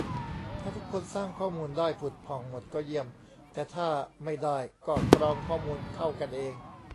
ถ้าทุกคนสร้างข้อมูลได้ผุดผ่องหมดก็เยี่ยม แต่ถ้าไม่ได้ก็กรองข้อมูลเข้ากันเอง